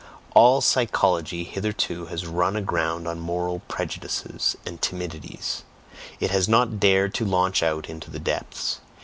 All psychology hitherto has run aground on moral prejudices and timidities, it has not dared to launch out into the depths.